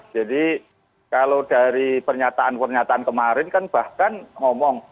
jadi kalau dari pernyataan pernyataan kemarin kan bahkan ngomong